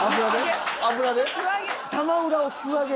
玉裏を素揚げ。